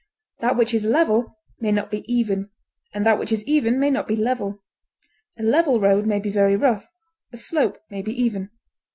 That which is level may not be even, and that which is even may not be level; a level road may be very rough; a slope may be even.